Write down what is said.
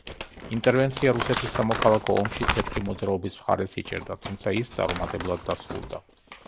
ინტერვენცია რუსეთის სამოქალაქო ომში, თეთრი მოძრაობის მხარეს იჭერდა, თუმცა ის წარუმატებლად დასრულდა.